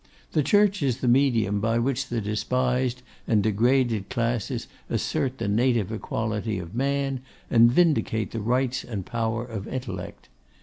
The Church is the medium by which the despised and degraded classes assert the native equality of man, and vindicate the rights and power of intellect.